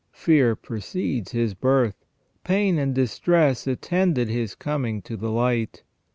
Fear precedes his birth. Pain and distress attended his coming to the light.